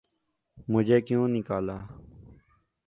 ''مجھے کیوں نکالا‘‘۔